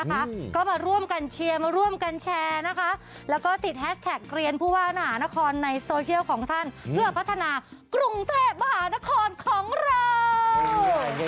ทร์มาร่วมกันเชียร์และร่วมกันแชร์และติดแฮชแทคกลีเอร์ผู้ว่ามารครในโซเชียลของท่านเพื่อพัฒนากรุงเทพมหานครของเรา